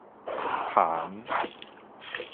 捀